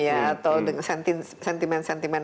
atau dengan sentimen sentimen